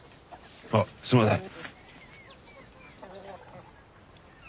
あっすいません。